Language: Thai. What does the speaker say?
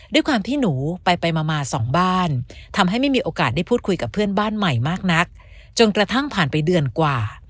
ด้วยความที่หนูไปไปมามาสองบ้านทำให้ไม่มีโอกาสได้พูดคุยกับเพื่อนบ้านใหม่มากนักจนกระทั่งผ่านไปเดือนกว่า